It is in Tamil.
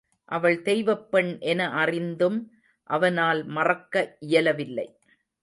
அவள் தெய்வப் பெண் என அறிந்தும் அவனால் மறக்க இயலவில்லை.